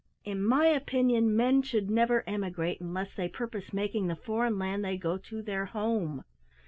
In my opinion men should never emigrate unless they purpose making the foreign land they go to their home.